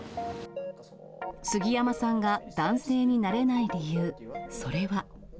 杉山さんが男性になれない理由、それは。